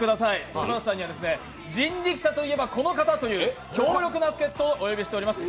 柴田さんには人力舎といえばこの方という強力な助っ人をお呼びしています。